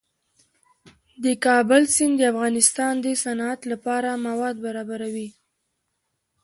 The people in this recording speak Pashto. د کابل سیند د افغانستان د صنعت لپاره مواد برابروي.